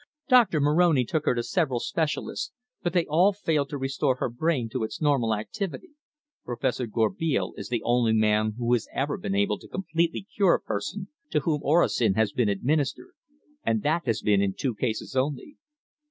Doctor Moroni took her to several specialists, but they all failed to restore her brain to its normal activity." "Professor Gourbeil is the only man who has ever been able to completely cure a person to whom orosin has been administered and that has been in two cases only."